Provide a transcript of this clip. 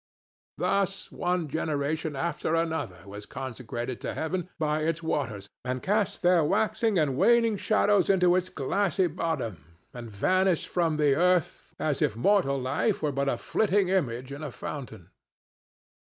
Thus one generation after another was consecrated to Heaven by its waters, and cast their waxing and waning shadows into its glassy bosom, and vanished from the earth, as if mortal life were but a flitting image in a fountain.